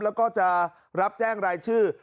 แล้วก็จะรับแจ้งรายชื่อ